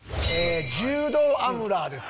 柔道アムラーです。